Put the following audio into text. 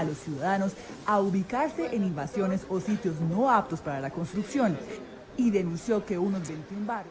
untuk tetap mengungsi hingga pemberitahuan lebih lanjut